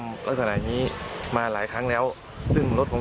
ก็เลยตามไปที่บ้านไม่พบตัวแล้วค่ะ